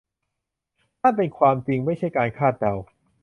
นั่นเป็นความจริงไม่ใช่การคาดเดา